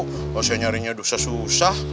kalau saya nyarinya susah susah